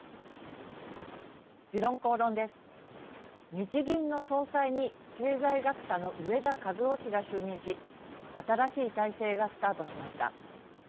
日銀の総裁に経済学者の植田和男氏が就任し新しい体制がスタートしました。